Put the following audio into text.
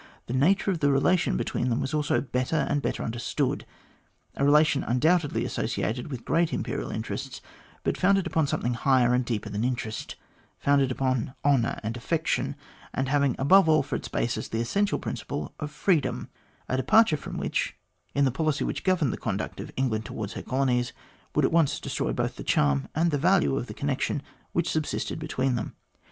the nature of the relation between them was also better and better understood a relation undoubtedly associated with great Imperial interests, but founded upon something higher and deeper than interest, founded upon honour and affection, and having above all for its basis the essential principle of freedom, a departure from which in the policy which governed the conduct of England towards her colonies would at once destroy both the charm and the value of the connection which subsisted between them.